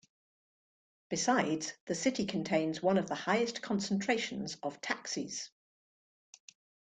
Besides, the city contains one of the highest concentrations of taxis.